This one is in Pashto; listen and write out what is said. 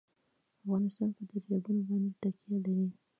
افغانستان په دریابونه باندې تکیه لري.